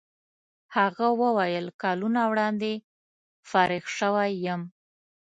هغه وویل کلونه وړاندې فارغ شوی یم.